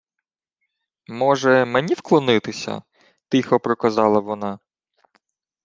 — Може, мені вклонитися? — тихо проказала вона.